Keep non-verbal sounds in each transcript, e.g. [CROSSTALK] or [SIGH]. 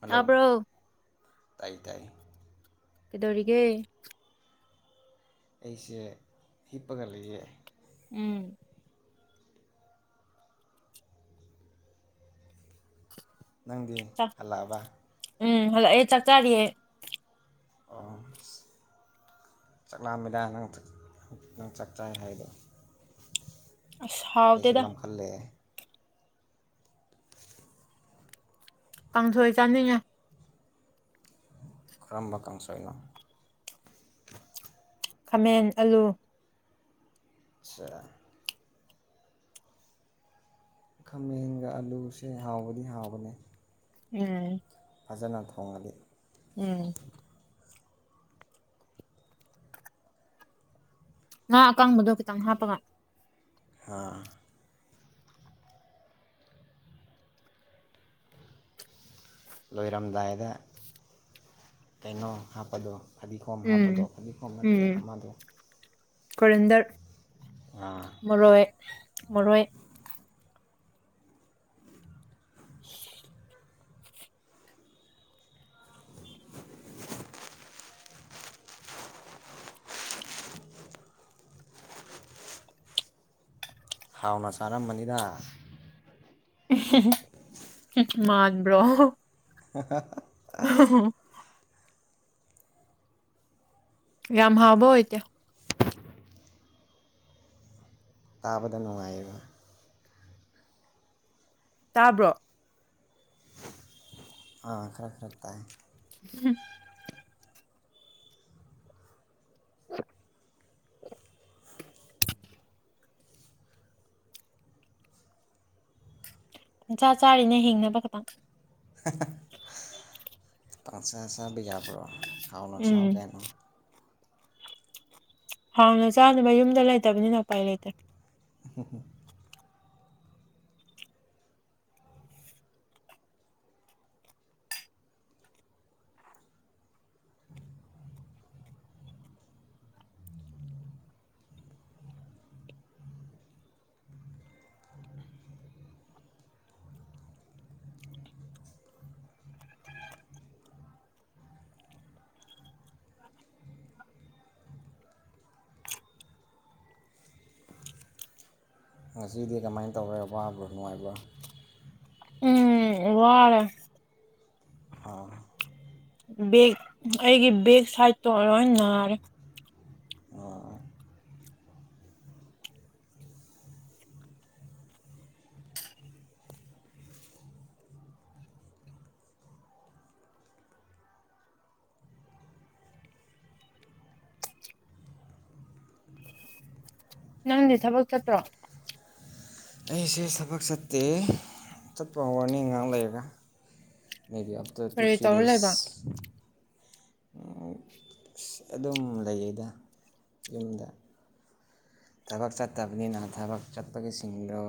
hello ꯇꯥꯕ꯭ꯔꯣ ꯇꯥꯏ ꯇꯥꯏ ꯀꯩꯗꯧꯔꯤꯒꯦ ꯑꯩꯁꯦ ꯍꯤꯞꯄꯒ ꯂꯩꯌꯦ ꯎꯝ ꯅꯪꯗꯤ ꯆꯥꯛ ꯍꯜꯂꯛꯑꯕ ꯎꯝ ꯍꯜꯂꯣ ꯑꯩ ꯆꯥꯛꯇꯥꯔꯤꯌꯦ ꯑ ꯆꯥꯛꯂꯥꯃꯤꯗꯥ ꯅꯪ ꯅꯪ ꯆꯥꯛ ꯆꯥꯏ ꯍꯥꯏꯗꯣ ꯑꯁ ꯍꯥꯎꯇꯦꯗ ꯑꯩꯁꯨꯂꯝ ꯈꯜꯂꯦ ꯀꯥꯡꯊꯣꯏ ꯆꯥꯅꯤꯡꯉꯦ ꯈꯔꯝꯕꯀꯡꯁꯣꯏꯅ ꯈꯥꯃꯦꯟ ꯑꯂꯨ ꯁ ꯈꯥꯃꯦꯟꯒ ꯑꯂꯨꯁꯦ ꯍꯥꯎꯕꯗꯤ ꯍꯥꯎꯕꯅꯦ ꯎꯝ ꯐꯖꯅ ꯊꯣꯡꯉꯜꯂꯤ ꯎꯝ ꯉ ꯑꯀꯥꯡꯕꯗꯣ ꯈꯤꯇꯪ ꯍꯥꯞꯄꯒ ꯍꯥ ꯂꯣꯏꯔꯝꯗꯥꯏꯗ ꯀꯩꯅꯣ ꯍꯥꯞꯄꯗꯣ ꯐꯗꯤꯒꯣꯝ ꯎꯝ ꯍꯥꯞꯄꯗꯣ ꯐꯗꯤꯒꯣꯝ ꯅꯠꯇꯦ ꯑꯃꯗꯣ ꯀꯔꯤꯟꯗꯔ ꯑꯥ ꯃꯔꯣꯏ ꯃꯔꯣꯏ [UNINTELLIGIBLE] ꯍꯥꯎꯅ ꯆꯥꯔꯝꯕꯅꯤꯗ ꯃꯥꯕ꯭ꯔ [UNINTELLIGIBLE] [UNINTELLIGIBLE] ꯒꯝꯍꯕ ꯏꯇ ꯇꯥꯕꯗ ꯅꯨꯡꯉꯥꯏꯌꯦꯕ ꯇꯥꯕ꯭ꯔꯣ ꯑꯥ ꯈꯔ ꯈꯔꯛꯇꯥꯦ ꯎꯝ [UNINTELLIGIBLE] [UNINTELLIGIBLE] ꯏ ꯆꯆꯥ ꯆꯥꯔꯤꯅ ꯍꯤꯡꯅꯕ ꯈꯤꯇꯪ [UNINTELLIGIBLE] ꯄꯥꯛ ꯁꯁ ꯖꯥ ꯄꯔꯛ ꯍꯥꯎꯅ ꯎꯝ ꯆꯥꯎꯥꯎ ꯀꯥꯏꯅꯣ ꯍꯥꯎꯅ ꯆꯥꯅꯕ ꯌꯨꯝꯗ ꯂꯩꯇꯕꯅꯤꯅ ꯎꯄꯥꯏ ꯂꯩꯇ꯭ꯔꯦ ꯍ ꯍꯣ ꯉꯁꯤꯗꯤ ꯀꯃꯥꯏꯅ ꯇꯧꯔꯦ ꯋꯥꯕ ꯅꯨꯡꯉꯥꯏꯕ꯭ꯔꯥ ꯋꯥꯔ ꯑ ꯕꯦꯛ ꯑꯩꯒꯤ ꯕꯦꯛ ꯁꯥꯏꯗꯠꯇꯣ ꯂꯣꯏ ꯅꯥꯔꯦ ꯅꯪꯗꯤ ꯊꯕꯛ ꯆꯠꯇ꯭ꯔꯣ ꯑꯩꯁꯦ ꯊꯕꯛ ꯆꯠꯇꯦ ꯆꯠꯄ ꯋꯥꯔꯅꯤꯡ ꯉꯥꯏꯍꯥꯛ ꯂꯩꯔꯒ ꯃꯦꯕꯤ ꯑꯐꯇꯔ ꯇꯨ ꯀꯔꯤ ꯊ꯭ꯔꯤ ꯇꯧꯔ ꯗꯦꯁ ꯂꯩꯕ ꯑꯗꯨꯝ ꯂꯩꯌꯦꯗ ꯌꯨꯝꯗ ꯊꯕꯛ ꯆꯠꯇꯕꯅꯤꯅ ꯊꯕꯛ ꯆꯠꯄꯒꯤꯁꯤꯡꯗꯣ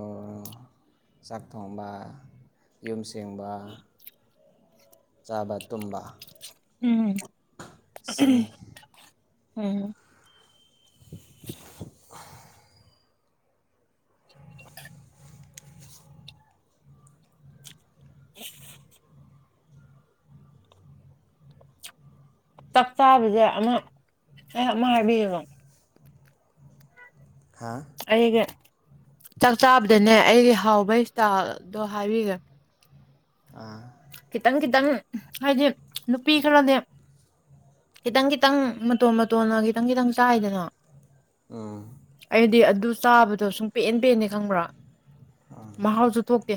ꯁꯥꯥꯛꯇꯣꯡ ꯌꯨꯝ ꯑꯁꯦꯡꯕ ꯆꯥꯕ ꯇꯨꯝꯕ ꯎꯝ ꯁꯤꯅꯤ ꯍꯝ [INAUDIBLE] [INAUDIBLE] ꯆꯞ ꯆꯥꯕꯁꯦ ꯑꯃ ꯑꯦ ꯑꯃ ꯍꯥꯏꯕꯤꯌꯅꯣ ꯍꯥ ꯑꯩꯒ ꯆꯥꯛ ꯆꯥꯕꯗꯅꯦ ꯑꯩꯒꯤ ꯍꯥꯎꯕ ꯏꯁꯇꯥꯜꯗꯣ ꯍꯥꯏꯕꯤꯈꯦ ꯑꯥ ꯈꯤꯇꯪ ꯈꯤꯇꯪ ꯍꯥꯏꯗꯤ ꯅꯨꯄꯤ ꯈꯔꯅꯦ ꯈꯤꯇꯪ ꯈꯤꯇꯪ ꯃꯇꯣꯟ ꯃꯇꯣꯟꯅ ꯈꯤꯇꯪ ꯈꯤꯇꯪ ꯆꯥꯏꯗꯅꯣ ꯎꯝ ꯑꯩꯗꯤ ꯑꯗꯨ ꯆꯥꯕꯗꯣ ꯁꯨꯝ ꯄꯦꯟ ꯄꯦꯟꯅꯤ ꯈꯪꯕ꯭ꯔꯥ ꯃꯍꯥꯎꯁꯨ ꯊꯣꯛꯇꯦ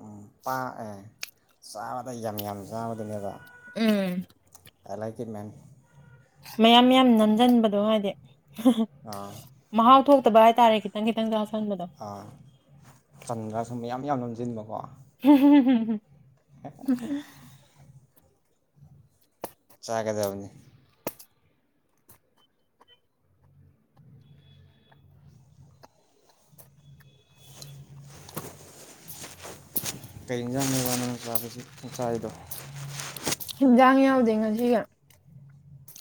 ꯎꯝ ꯄꯥꯛꯑ ꯆꯥꯕꯗ ꯌꯥꯝ ꯌꯥꯝ ꯆꯥꯕꯗꯨꯅꯦꯕ ꯎꯝ ꯆ ꯆꯤꯃꯦꯟ ꯃꯌꯥꯝ ꯃꯌꯥꯝ ꯅꯝꯁꯤꯟꯕꯗꯣ ꯍꯥꯏꯗꯤ ꯑꯥ ꯃꯍꯥꯎ ꯊꯣꯛꯇꯕ ꯍꯥꯏꯇꯥꯔꯦ ꯈꯤꯇꯪ ꯈꯤꯇꯪ ꯆꯥꯁꯟꯕꯗꯣ ꯑꯥ ꯆꯟꯒ꯭ꯔꯥ ꯁꯨꯝ ꯌꯥꯝ ꯌꯥꯝ ꯅꯣꯝꯁꯤꯟꯕꯀꯣ [INAUDIBLE] ꯆꯥꯒꯗꯕꯅꯤ [INAUDIBLE] ꯀꯩ ꯌꯦꯟꯁꯥꯡꯅ ꯋꯥꯅꯅ ꯆꯥꯕꯁꯤ ꯆꯥꯏꯔꯤꯗꯣ ꯍꯤꯟꯖꯥꯡ ꯌꯥꯎꯗꯦ ꯉꯁꯤꯒ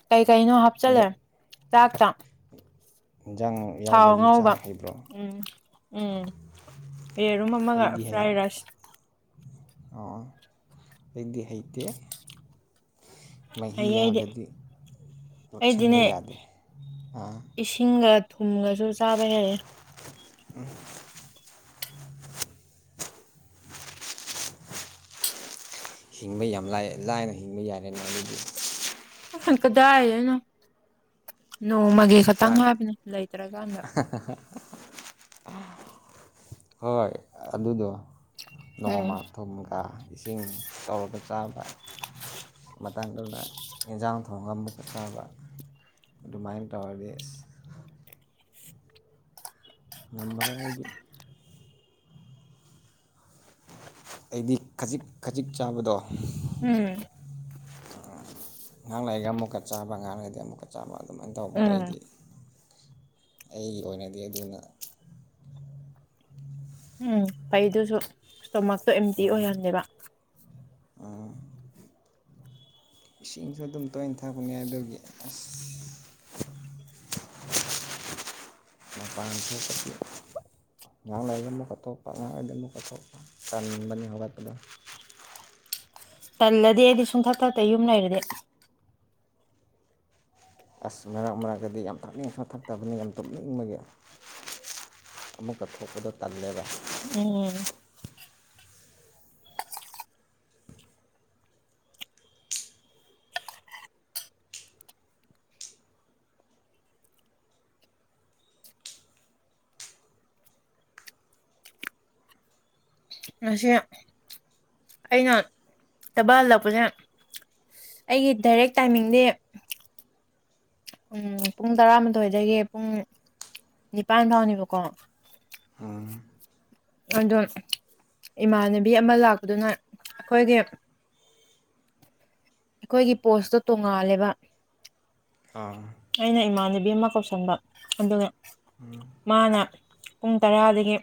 ꯀꯩꯀꯩꯅꯣ ꯍꯥꯞꯆꯜꯂ ꯍꯟꯗꯛ ꯆꯥꯛꯇ ꯏꯟꯖꯥꯡ ꯊꯥꯎ ꯌꯥꯎꯗꯕꯤ ꯉꯧꯕ ꯆꯥꯕ ꯍꯩꯕ꯭ꯔꯣ ꯎꯝ ꯎꯝ ꯄꯔꯨꯝ ꯑꯃꯒ ꯐ꯭ꯔꯥꯏ ꯔꯥꯏꯁ ꯑꯣ ꯑꯩꯗꯤ ꯍꯩꯗꯤ ꯃꯍꯤ ꯍꯩꯌꯦ ꯑꯩꯗꯤ ꯌꯥꯒꯗꯤ ꯑꯩꯗꯤꯅꯦ ꯑꯥ ꯏꯁꯤꯡꯒ ꯊꯨꯝꯒꯁꯨ ꯆꯥꯕ ꯍꯩꯑꯦ ꯎꯝ ꯍꯤꯡꯕ ꯌꯥꯝ ꯂꯥꯏ ꯂꯥꯏꯅ ꯍꯤꯡꯕ ꯌꯥꯔꯦꯅ ꯑꯗꯨꯗꯤ ꯍꯅ ꯀꯗꯥꯑꯅ ꯅꯣꯡꯃꯒꯤ ꯈꯇꯪ ꯍꯥꯏꯕꯅ ꯂꯩꯇ꯭ꯔꯀꯥꯟꯗ ꯍꯣꯏ ꯑꯗꯨꯗꯣ ꯎꯝ ꯅꯣꯡꯃ ꯊꯨꯝꯒ ꯏꯁꯤꯡ ꯇꯧꯔꯒ ꯆꯥꯕ [INAUDIBLE] ꯃꯇꯥꯡꯗꯨꯅ ꯌꯦꯟꯖꯥꯡ ꯊꯣꯡꯒ ꯑꯃꯨꯛꯀ ꯆꯕ ꯑꯗꯨꯃꯥꯏꯅ ꯇꯥꯔꯁ ꯉꯝꯃꯔ ꯑꯩꯗꯤ ꯑꯩꯗꯤ ꯈꯖꯤꯛ ꯈꯖꯤꯛ ꯆꯥꯕꯗꯣ ꯎꯝ ꯉꯍꯥꯡ ꯂꯩꯒ ꯑꯃꯨꯛꯀ ꯆꯥꯕ ꯉꯍꯥꯡ ꯂꯩꯉꯩꯗꯒꯤ ꯑꯃꯨꯛꯀ ꯆꯥꯕ ꯑꯗꯨꯃꯥꯏꯅ ꯇꯧꯕꯗ ꯎꯝ ꯑꯩꯗꯤ ꯑꯩꯒꯤ ꯑꯣꯏꯅꯗꯤ ꯑꯗꯨꯅ ꯎꯝ ꯐꯩꯗꯨꯁꯨ ꯏꯁꯇꯣꯃꯛꯇꯣ ꯑꯦꯝꯇꯤ ꯑꯣꯏꯍꯟꯅꯦꯕ ꯑ ꯏꯁꯤꯡꯁꯨ ꯑꯗꯨꯝ ꯇꯣꯏꯅ ꯊꯥꯛꯄꯅꯦ ꯑꯗꯨꯒꯤ ꯑꯁ ꯃ ꯄꯥꯡꯁꯨꯄꯤ ꯉ ꯂꯩ ꯑꯝ ꯃꯀ ꯇꯣꯛꯄ ꯉꯖꯝ ꯃꯀ ꯇꯣꯛꯄ ꯀ ꯃꯕꯥꯅꯤ ꯍꯔꯣꯏ ꯇꯗ ꯇꯜꯂꯗꯤ ꯑꯩꯗꯤ ꯁꯨꯡꯊꯛ ꯊꯛꯇ ꯌꯨꯝ ꯂꯩꯔꯗꯤ ꯑꯁ ꯃꯔꯛ ꯃꯔꯛꯇꯗꯤ ꯌꯥꯝ ꯊꯥꯛꯅꯤꯡ ꯊꯛꯇꯕꯅꯤ ꯌꯥꯝ ꯇꯨꯞꯅꯤꯡꯕꯒꯤ ꯑꯃꯨꯀꯛ ꯊꯣꯛꯄꯗꯣ ꯇꯜꯂꯦꯕ ꯎꯝ ꯉꯁꯤ ꯑꯩꯅ ꯊꯕꯥꯜꯜꯂꯛꯄꯁꯦ ꯑꯩꯒꯤ ꯗꯥꯏꯔꯦꯛ ꯇꯥꯏꯃꯤꯡꯗꯤ ꯎꯝ ꯄꯨꯡ ꯇꯔꯥꯃꯥꯊꯣꯏꯗꯒꯤ ꯄꯨꯡ ꯅꯤꯄꯥꯟ ꯐꯥꯎꯅꯦꯕꯀꯣ ꯑꯗꯣ ꯏꯃꯥꯟꯅꯕꯤ ꯑꯃ ꯂꯥꯛꯄꯗꯨꯅ ꯑꯩꯈꯣꯏꯒꯤ ꯍ ꯑꯩꯈꯣꯏꯒꯤ ꯄꯣꯁꯇꯣ ꯇꯣꯡꯉꯥꯜꯂꯦꯕ ꯑꯥ ꯑꯩꯅ ꯏꯃꯥꯟꯅꯕꯤ ꯑꯃ ꯀꯧꯁꯟꯕ ꯑꯗꯨꯒ ꯃꯥꯅ ꯄꯨꯡ ꯇꯔꯥꯗꯒꯤ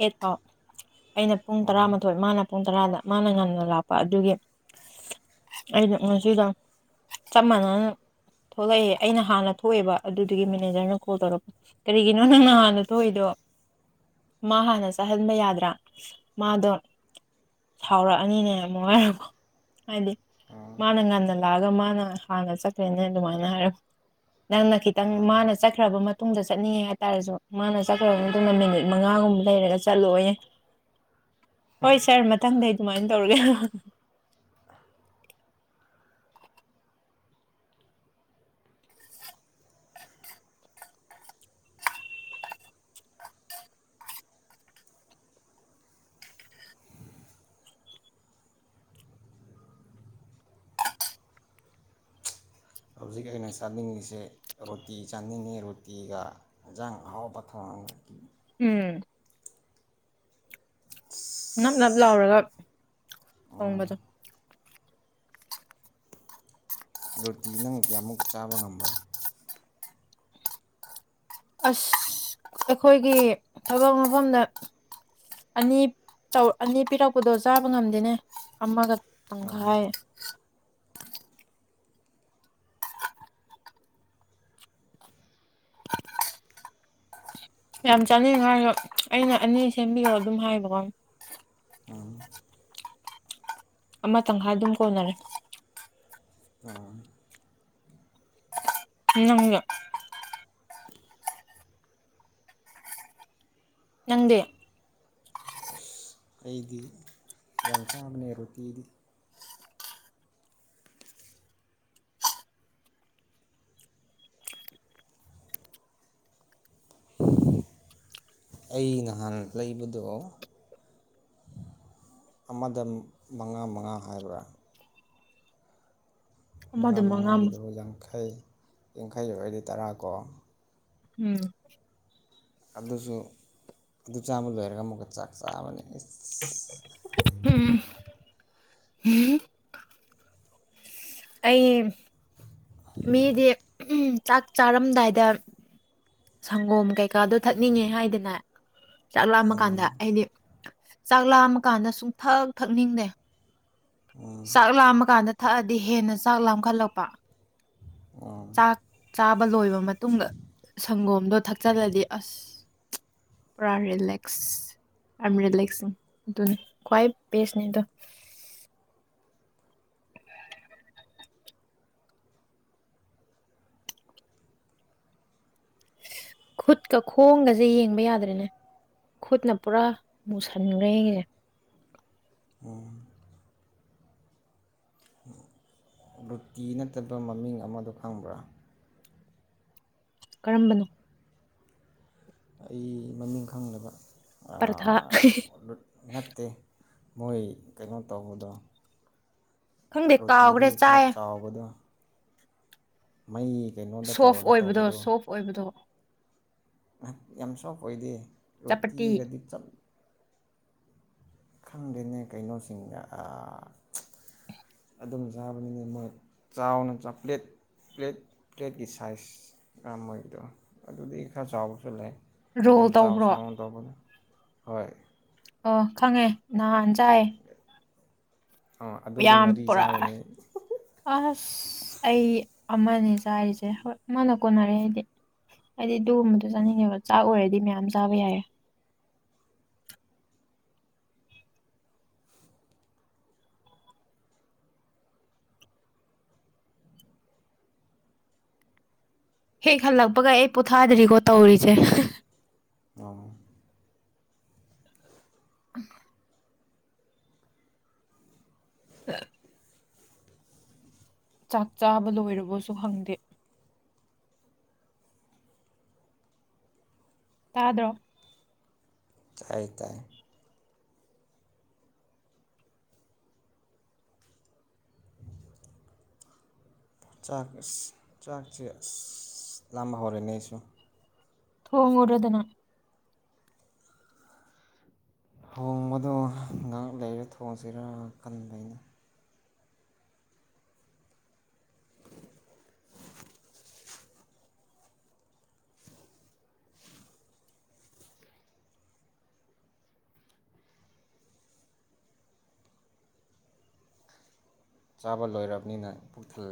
ꯑꯩꯠ ꯐꯥꯎ ꯑꯩꯅ ꯄꯨꯡ ꯇꯔꯥꯃꯥꯊꯣꯏ ꯃꯥꯅ ꯄꯨꯡ ꯇꯔꯥꯗ ꯃꯥꯅ ꯉꯟꯅ ꯂꯥꯛꯄ ꯑꯗꯨꯒꯤ ꯑꯩꯅ ꯉꯁꯤꯗ ꯆꯞ ꯃꯥꯟꯅꯅ ꯊꯣꯛꯂꯛꯑꯦ ꯑꯩꯅ ꯍꯥꯟꯅ ꯊꯣꯛꯑꯦꯕ ꯑꯗꯨꯗꯨꯒꯤ ꯃꯦꯅꯦꯖꯔꯅ ꯀꯣꯜ ꯇꯧꯔꯛꯄ ꯀꯔꯤꯒꯤꯅꯣ ꯅꯪꯅ ꯍꯥꯟꯅ ꯊꯣꯛꯏꯗꯣ [UNINTELLIGIBLE] ꯃꯥ ꯍꯥꯟꯅ ꯆꯠꯍꯟꯕ ꯌꯥꯗ꯭ꯔꯥ ꯃꯥꯗꯣ ꯁꯥꯎꯔꯛꯑꯅꯤꯅꯦ ꯑꯃꯛꯉꯔꯕꯣ ꯍꯥꯏꯗꯤ ꯃꯥꯅ ꯉꯟꯅ ꯂꯥꯛꯑꯒ ꯃꯥꯅ ꯍꯥꯟꯅ ꯆꯠꯈ꯭ꯔꯦꯅꯦ ꯑꯗꯨꯃꯥꯏꯅ ꯍꯥꯏꯔ ꯅꯪꯅ ꯈꯤꯇꯪ ꯃꯥꯅ ꯆꯠꯈ꯭ꯔꯕ ꯃꯇꯨꯡꯗ ꯆꯠꯅꯤꯡꯉꯦ ꯍꯥꯏꯇꯥꯔꯁꯨ ꯃꯥꯅ ꯆꯠꯈ꯭ꯔꯕ ꯃꯇꯨꯡꯅ ꯃꯤꯅꯤꯠ ꯃꯉꯥꯒꯨꯝꯕ ꯂꯩꯔꯒ ꯆꯠꯂꯣꯑꯣꯅꯦ ꯍꯣꯏꯔ ꯃꯊꯪꯗ ꯁꯨꯃꯥꯏꯅ ꯇꯧꯔꯒꯦ ꯍꯧꯖꯤꯛ ꯑꯩꯅ ꯆꯥꯅꯤꯡꯉꯤꯁꯦ ꯔꯣꯇꯤ ꯆꯥꯅꯤꯡꯉꯤ ꯔꯣꯇꯤꯒ ꯌꯦꯟꯖꯥꯡ ꯑꯍꯥꯎꯕ ꯊꯣꯡꯦ ꯑ ꯎꯝ ꯅꯞ ꯅꯞ ꯂꯥꯎꯔꯒ ꯊꯣꯡꯕꯗꯣ ꯔꯣꯇꯤ ꯅꯪ ꯀꯌꯥꯃꯨꯛ ꯆꯥꯕ ꯉꯝꯕ꯭ꯔꯣ ꯑꯁ ꯑꯩꯈꯣꯏꯒꯤ ꯊꯕꯛ ꯃꯐꯝꯗ ꯑꯅꯤ ꯑꯅꯤ ꯄꯤꯔꯛꯄꯗꯣ ꯆꯥꯕ ꯉꯝꯗꯦꯅꯦ ꯑꯃꯒ ꯑꯡꯈꯥꯏ [UNINTELLIGIBLE] ꯌꯥꯝ ꯆꯥꯅꯤꯡꯉꯥꯏꯣ ꯑꯩꯅ ꯑꯅꯤ ꯁꯦꯝꯕꯤꯔꯣ ꯑꯗꯨꯝ ꯍꯥꯏꯕꯀꯣ ꯑꯃꯇꯪ ꯍꯥꯏꯥ ꯑꯗꯨꯝ ꯀꯣꯟꯅꯔꯦ ꯎꯝ ꯎ ꯅꯪꯗꯦ ꯑꯩꯗꯤ ꯌꯥꯝ ꯆꯥꯕꯅꯦ ꯔꯣꯇꯤꯗꯤ ꯑꯩ ꯅꯍꯥꯟ ꯂꯩꯕꯗꯣ ꯑꯃꯗ ꯃꯉꯥ ꯃꯉꯥ ꯍꯥꯏꯕ꯭ꯔꯥ ꯃꯉꯥ ꯃꯉꯥꯒꯤꯗꯨꯕꯨ ꯌꯥꯡꯈꯩ ꯌꯥꯡꯈꯩ ꯑꯣꯏꯔꯦ ꯇꯔꯥꯀꯣ ꯎꯝ ꯑꯗꯨꯁꯨ ꯑꯗꯨ ꯆꯥꯝꯃ ꯂꯣꯏꯔꯒ ꯑꯃꯨꯛꯀ ꯆꯥꯛ ꯆꯥꯕꯅꯤ ꯎꯝ ꯎꯝ ꯑꯩ ꯃꯤꯗꯤ ꯆꯥꯛ ꯆꯥꯔꯝꯗꯥꯏꯗ ꯁꯪꯒꯣꯝ ꯀꯩꯀꯥꯗꯣ ꯊꯛꯅꯤꯡꯉꯦ ꯍꯥꯏꯗꯅ ꯆꯥꯛ ꯂꯥꯑꯃ ꯀꯥꯟꯗ ꯑꯩꯗꯤ ꯆꯥꯛ ꯂꯥꯝꯃ ꯀꯥꯟꯗ ꯁꯨꯝ ꯊꯛ ꯊꯛꯅꯤꯡꯗꯦ ꯆꯥꯛ ꯂꯥꯝꯃꯀꯥꯟꯗ ꯊꯛꯑꯗꯤ ꯍꯦꯟꯅ ꯆꯥꯛ ꯂꯥꯝꯈꯠꯂꯛꯄ ꯆꯥꯛ ꯆꯥꯕ ꯂꯣꯏꯕ ꯃꯇꯨꯡꯗ ꯁꯪꯒꯣꯝ ꯗꯣ ꯊꯛꯆꯜꯂꯗꯤ ꯑꯁ ꯄꯨꯔꯥ ꯔꯤꯂꯦꯛꯁ ꯑꯔꯤꯂꯁꯤ ꯑꯗꯨꯅ ꯈ꯭ꯋꯥ ꯦꯁꯅꯦꯗꯣ ꯈꯨꯠꯀ ꯈꯣꯡꯒꯁꯦ ꯌꯦꯡꯕ ꯌꯥꯗ꯭ꯔꯦꯅꯦ ꯈꯨꯠꯅ ꯄꯨꯔꯥ ꯃꯨꯁꯟꯈ꯭ꯔꯦꯁꯦ [UNINTELLIGIBLE] ꯔꯨꯇꯤ ꯅꯠꯇꯕ ꯃꯃꯤꯡ ꯑꯃꯗꯣ ꯈꯪꯕ꯭ꯔꯥ ꯀꯔꯝꯕꯅꯣ ꯑꯩ ꯃꯃꯤꯡ ꯈꯪꯅꯕ ꯄꯔꯊꯥ ꯅꯠꯇꯦ ꯃꯣꯏ ꯀꯩꯅꯣ ꯇꯧꯕꯗꯣ ꯈꯪꯗꯦ ꯔꯣꯇꯤꯗꯨ ꯀꯥꯎꯈ꯭ꯔꯦ ꯈꯔ ꯆꯥꯏ ꯆꯥꯎꯕꯗꯣ ꯃꯩ ꯀꯩꯅꯣꯗ ꯁꯣꯐ ꯇꯧꯔꯒ ꯑꯣꯏꯕꯗꯣ ꯁꯣꯐ ꯑꯣꯏꯕꯗꯣ ꯉꯍꯥꯛ ꯌꯥꯝ ꯁꯣꯞ ꯑꯣꯏꯗꯦ ꯆꯄꯇꯤ ꯔꯣꯇꯤꯒꯗꯤ ꯆꯠꯂ ꯈꯪꯗꯦꯅꯦ ꯀꯩꯅꯣꯁꯤꯡꯗ ꯑꯗꯨꯝ ꯆꯥꯕꯅꯤꯅ ꯃꯣꯏ ꯆꯥꯎꯅ ꯆꯥꯄ꯭ꯂꯦꯠ ꯄ꯭ꯂꯦꯠ ꯄ꯭ꯂꯦꯠꯀꯤ ꯁꯥꯏꯖ ꯃꯣꯏꯒꯤꯗꯣ ꯑꯗꯨꯗꯤ ꯈꯔ ꯆꯥꯎꯕꯁꯨ ꯂꯩ ꯑ ꯔꯣꯜ ꯆꯥꯎ ꯁ ꯇꯧꯕ꯭ꯔꯣ ꯇꯧꯕꯅꯤ ꯍꯣꯏ ꯑꯣ ꯈꯪꯉꯦ ꯅꯍꯥꯟ ꯆꯥꯏꯌꯦꯦ ꯑꯥ ꯑꯗꯨꯗꯣ ꯌꯥꯝ ꯃꯔꯤ ꯄꯨꯔꯛ ꯆꯥꯕꯅꯦ ꯑꯁ ꯑꯩ ꯑꯃꯅꯦ ꯆꯥꯔꯤꯁꯦ ꯍꯣꯏ ꯃꯥꯅ ꯀꯣꯟꯅꯔꯦ ꯍꯥꯏꯗꯤ ꯑꯩꯗꯤ ꯑꯗꯨꯒꯒꯨꯝꯕꯗꯣ ꯆꯥꯅꯤꯡꯉꯦꯕ ꯆꯥꯛ ꯑꯣꯏꯔꯗꯤ ꯃꯌꯥꯝ ꯆꯥꯕ ꯌꯥꯏꯦ ꯍꯦꯛ ꯍꯜꯂꯛꯄꯒ ꯑꯩ ꯄꯣꯊꯥꯗ꯭ꯔꯤꯀꯣ ꯇꯧꯔꯤꯁꯦ ꯑ ꯎꯝ ꯎ ꯆꯥꯛ ꯆꯥꯕ ꯂꯣꯏꯔꯕꯁꯨ ꯍꯪꯗꯦ ꯇꯥꯗ꯭ꯔꯣ ꯆ ꯇꯥꯏ ꯆꯥꯛ ꯑ ꯆꯥꯛꯁꯦ ꯑꯁ ꯂꯥꯝꯕ ꯍꯧꯔꯦꯅꯦ ꯑꯩꯁꯨ ꯊꯣꯡꯉ꯭ꯔꯗꯅ ꯊꯣꯡꯕꯗꯣ ꯉꯥꯏꯍꯥꯛ ꯂꯩꯔꯥ ꯊꯣꯡꯁꯤꯔꯥ ꯀꯟꯅ ꯂꯩꯅ ꯆꯥꯕ ꯂꯣꯏꯔꯕꯅꯤꯅ ꯄꯨꯛ ꯊꯜꯂ